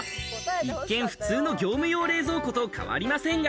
一見普通の業務用冷蔵庫と変わりませんが。